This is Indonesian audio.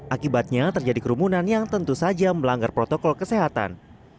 akibatnya terjadi kerumunan yang tentu saja melanggar protokol kesehatan